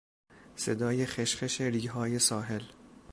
صدای خش خش ریگهای ساحل